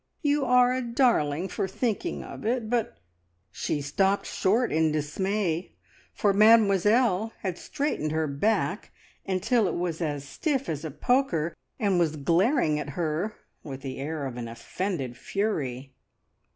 You are a darling for thinking of it, but " She stopped short in dismay, for Mademoiselle had straightened her back until it was as stiff as a poker, and was glaring at her with the air of an offended Fury.